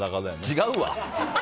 違うわ！